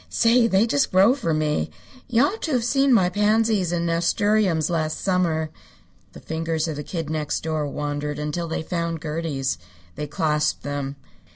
Say, they just grow for me. You ought to have seen my pansies and nasturtiums last summer." The fingers of the Kid Next Door wandered until they found Gertie's. They clasped them.